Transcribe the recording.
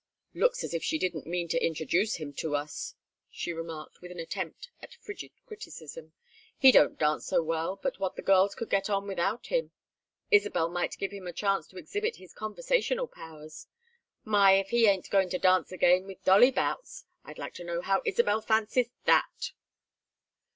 "Looks as if she didn't mean to introduce him to us," she remarked, with an attempt at frigid criticism. "He don't dance so well but what the girls could get on without him. Isabel might give him a chance to exhibit his conversational powers My! if he ain't going to dance again with Dolly Boutts! I'd like to know how Isabel fancies that!"